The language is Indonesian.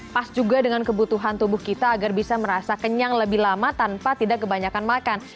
pas juga dengan kebutuhan tubuh kita agar bisa merasa kenyang lebih lama tanpa tidak kebanyakan makan